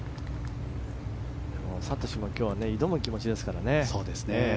智も今日は挑む気持ちですからね。